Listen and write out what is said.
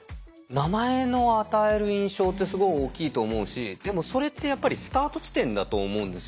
名前の与える印象ってすごい大きいと思うしでもそれってやっぱりスタート地点だと思うんですよね。